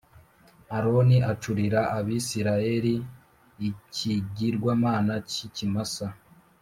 Aroni acurira Abisirayeli ikigirwamana cy ikimasa